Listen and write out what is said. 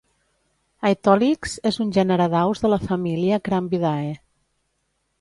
Aetholix és un gènere d'aus de la família Crambidae.